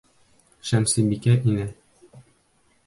Шәмсебикә инә.